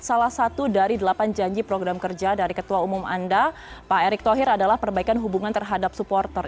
salah satu dari delapan janji program kerja dari ketua umum anda pak erick thohir adalah perbaikan hubungan terhadap supporter